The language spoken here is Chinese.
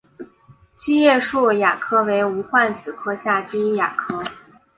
七叶树亚科为无患子科下之一亚科。